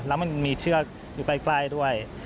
แล้วมันมีเชือกอยู่ใกล้ด้วย